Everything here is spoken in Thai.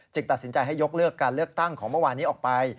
ตัดสินใจให้ยกเลิกการเลือกตั้งของเมื่อวานนี้ออกไป